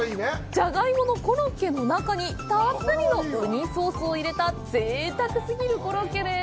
ジャガイモのコロッケの中にたっぷりのウニソースを入れたぜいたく過ぎるコロッケです！